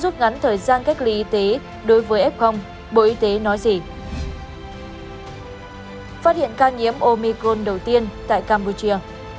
phát hiện ca nhiễm omicron đầu tiên tại campuchia